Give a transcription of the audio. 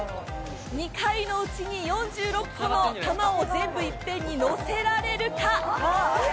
２回のうちに４６個の玉を全部いっぺんにのせられるか。